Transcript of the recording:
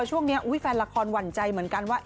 ช่วงนี้แฟนละครหวั่นใจเหมือนกันว่า